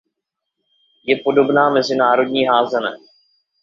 Je podobná mezinárodní házené.